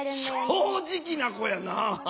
正直な子やな。